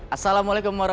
assalamualaikum wr wb